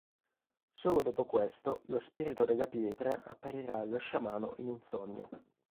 Solo dopo questo lo spirito della pietra apparirà allo sciamano in un sogno.